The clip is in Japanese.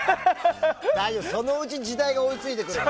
そのうち時代が追い付いてくるよ。